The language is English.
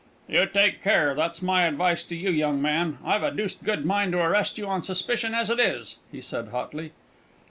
"You take care, that's my advice to you, young man. I've a deuced good mind to arrest you on suspicion as it is!" he said hotly.